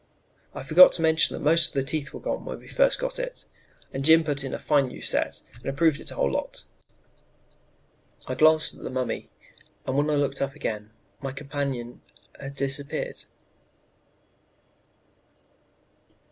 I forgot to mention that most of the teeth were gone when we first got it, and Jim put in a fine new set, and improved it a whole lot." I glanced at the mummy, and when I looked up again, my companion had disappeared.